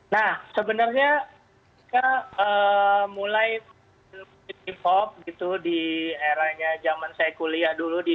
nah sebenarnya saya mulai memiliki pop gitu di eranya zaman saya kuliah dulu di dua ribu tujuh